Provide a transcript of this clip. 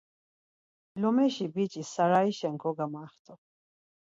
Lomeşi biç̌i sarayişen kogamaxtu.